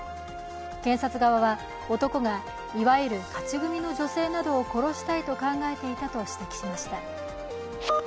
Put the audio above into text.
検察側は、男がいわゆる勝ち組の女性などを殺したいと考えていたと指摘しました。